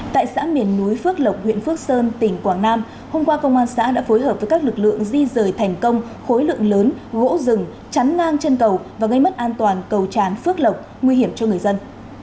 tại xã miền núi phước lộc huyện phước sơn tỉnh quảng nam hôm qua công an xã đã phối hợp với các lực lượng di rời thành công khối lượng lớn gỗ rừng chắn ngang chân cầu và gây mất an toàn cầu tràn phước lộc nguy hiểm cho người dân